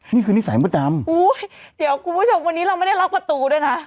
นิสัยมดดำอุ้ยเดี๋ยวคุณผู้ชมวันนี้เราไม่ได้ล็อกประตูด้วยนะ